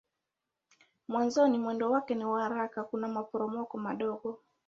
Mwanzoni mwendo wake ni wa haraka kuna maporomoko madogo.